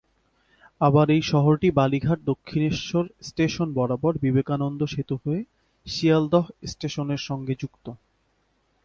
আবার এই শহরটি বালি ঘাট- দক্ষিণেশ্বর স্টেশন বরাবর বিবেকানন্দ সেতু হয়ে শিয়ালদহ স্টেশনের সঙ্গে যুক্ত।